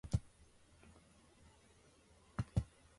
俺の拳がでかいのは傷つけるためじゃない